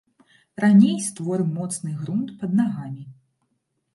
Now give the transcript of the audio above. Раней створым моцны грунт пад нагамі.